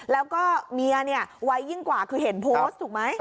แล้วก็เมียเนี่ยวัยยิ่งกว่าคือเห็นโพสต์ถูกไหม